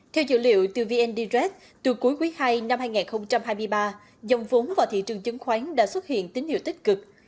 theo dữ liệu từ vn direct từ cuối quý ii năm hai nghìn hai mươi ba dòng vốn vào thị trường chứng khoán đã xuất hiện tín hiệu tích cực